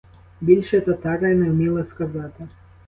Більше татари не вміли сказати.